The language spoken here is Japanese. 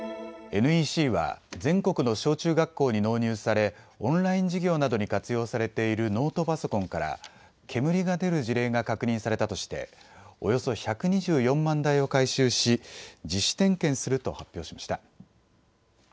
ＮＥＣは全国の小中学校に納入されオンライン授業などに活用されているノートパソコンから煙が出る事例が確認されたとしておよそ１２４万台を回収し、自主点検すると発表しました。